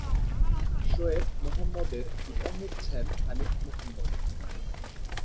শোয়েব মোহাম্মদের পিতা হচ্ছেন হানিফ মোহাম্মদ।